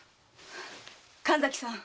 神崎さん。